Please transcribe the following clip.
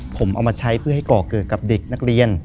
ผมเอามาใช้เพื่อให้ก่อเกิดกับเด็กนักเรียน